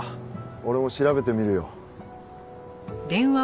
俺も調べてみるよ。